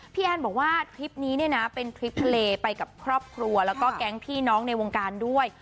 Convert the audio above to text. แอนบอกว่าทริปนี้เนี่ยนะเป็นทริปทะเลไปกับครอบครัวแล้วก็แก๊งพี่น้องในวงการด้วย